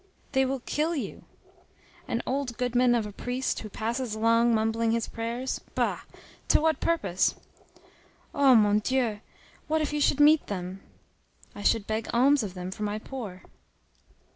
"They will kill you." "An old goodman of a priest, who passes along mumbling his prayers? Bah! To what purpose?" "Oh, mon Dieu! what if you should meet them!" "I should beg alms of them for my poor."